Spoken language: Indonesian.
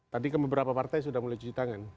tadi kan beberapa partai sudah mulai cuci tangan